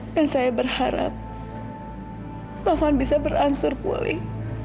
dan saya berharap taufan bisa beransur pulih